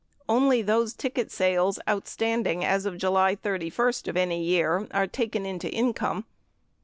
Only those ticket sales outstanding as of July 31 of any year are taken into income.